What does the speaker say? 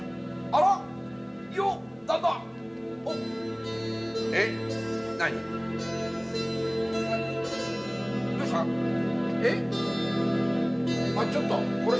あっちょっとこれ。